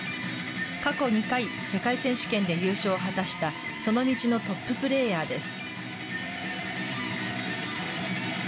過去２回、世界選手権で優勝を果たした、その道のトッププレーヤーです。